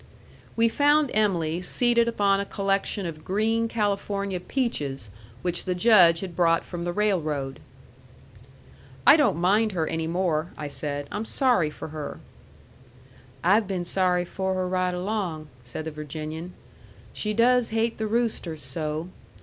We found Em'ly seated upon a collection of green California peaches, which the Judge had brought from the railroad. "I don't mind her any more," I said; "I'm sorry for her." "I've been sorry for her right along," said the Virginian. "She does hate the roosters so."